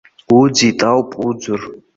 Уӡит ауп уӡыр.